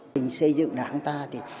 tình xây dựng đảng ta thì